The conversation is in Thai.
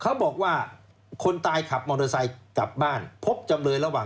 เขาบอกว่าคนตายขับมอเตอร์ไซค์กลับบ้านพบจำเลยระหว่าง